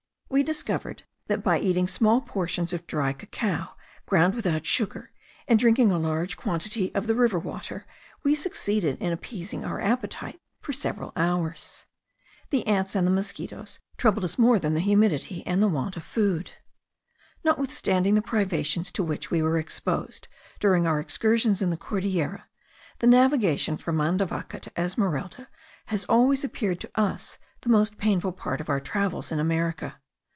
We discovered, that by eating small portions of dry cacao ground without sugar, and drinking a large quantity of the river water, we succeeded in appeasing our appetite for several hours. The ants and the mosquitos troubled us more than the humidity and the want of food. Notwithstanding the privations to which we were exposed during our excursions in the Cordilleras, the navigation from Mandavaca to Esmeralda has always appeared to us the most painful part of our travels in America.